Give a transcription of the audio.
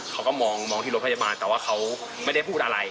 เขาก็มองที่รถพยาบาลแต่ว่าเขาไม่ได้พูดอะไร